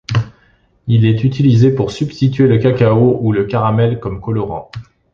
Il est utilisé pour substituer le cacao ou le caramel comme colorant.